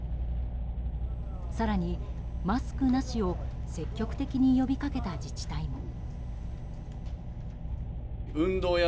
更にマスクなしを積極的に呼びかけた自治体も。